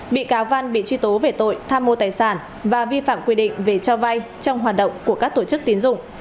bị cáo văn bị truy tố về tội tham mô tài sản và vi phạm quy định về cho vay trong hoạt động của các tổ chức tiến dụng